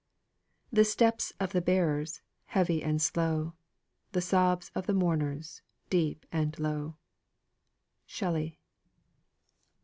"The steps of the bearers, heavy and slow, The sobs of the mourners, deep and low." SHELLEY.